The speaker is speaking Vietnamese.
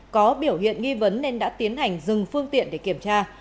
có biểu hiện nghi vấn nên đã tiến hành dừng phương tiện để kiểm tra